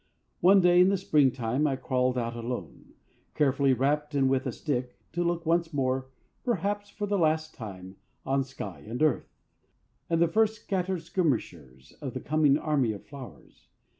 One day in the spring time I crawled out alone, carefully wrapped, and with a stick, to look once more perhaps for the last time on sky and earth, and the first scattered skirmishers of the coming army of flowers.